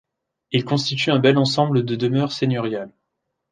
Il constitue un bel ensemble de demeure seigneuriale.